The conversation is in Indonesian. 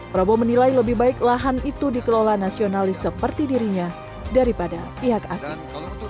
prabowo menilai lebih baik lahan itu dikelola nasionalis seperti dirinya daripada pihak asing